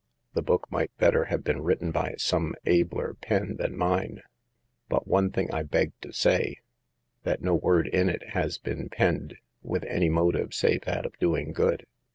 The book might better have been written by some abler pen than mine, but one thing I beg to say : that no word in 6 PBEFACE it has been penned with any motive save that of doing good.